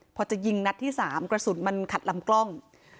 พอจะยิงนัดที่๓กระสุนมันขัดลำกล้อง